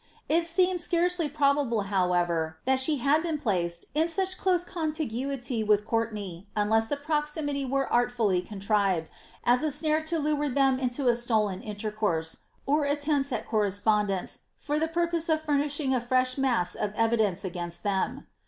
It seems scareel}' proliable, howeTer, •he would have been placed in such close contiguity with Courte ■ay, UDlesa the proximity were artfully contrived, as a snare to lure Uiciii into a stolen intercourse, or attempts at correspondence, for the porpoae of furnishing a fresh mass of evidence against them.